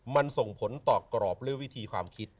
มันส่งผลต่อกรอบหรือวิธีความคิด